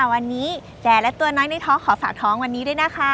วันนี้แจและตัวน้อยในท้องขอฝากท้องวันนี้ด้วยนะคะ